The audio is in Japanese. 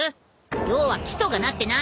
要は基礎がなってない。